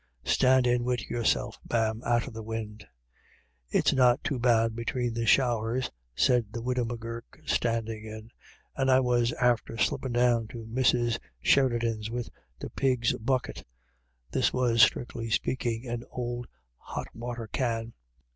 Stand in wid yourself, ma'am, out o' the win'." " It's not too bad between the showers," said the widow M'Gurk, standing in, " and I was after slippin' down to Mrs. Sheridan's wid the pig's bucket" — this was, strictly speaking, an old hot water can.